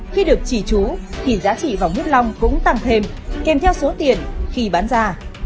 khi trì trú thì giá trị vòng huyết lòng cũng tăng thêm kèm theo số tiền khi bán ra